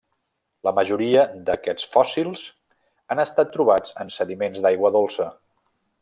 La majoria d'aquests fòssils han estat trobats en sediments d'aigua dolça.